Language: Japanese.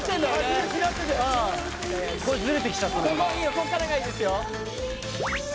こっからがいいですよ